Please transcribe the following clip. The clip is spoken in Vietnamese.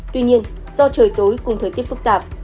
tuy nhiên do trời tối cùng thời tiết phức tạp